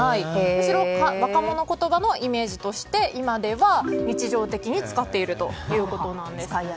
むしろ若者言葉のイメージとして今では日常的に使っているということなんです。